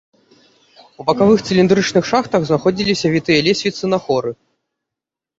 У бакавых цыліндрычных шахтах знаходзіліся вітыя лесвіцы на хоры.